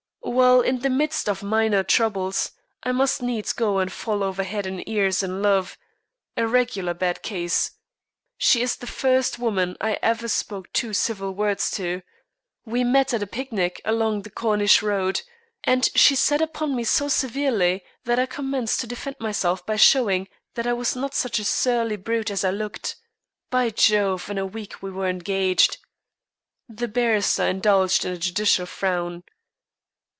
"Well, in the midst of my minor troubles, I must needs go and fall over head and ears in love a regular bad case. She is the first woman I ever spoke two civil words to. We met at a picnic along the Corniche Road, and she sat upon me so severely that I commenced to defend myself by showing that I was not such a surly brute as I looked. By Jove, in a week we were engaged." The barrister indulged in a judicial frown.